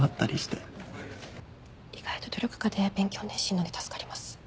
意外と努力家で勉強熱心なんで助かります。